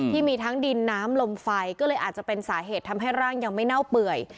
ที่มีทั้งดินน้ำลมไฟก็เลยอาจจะเป็นสาเหตุทำให้ร่างยังไม่เน่าเปื่อย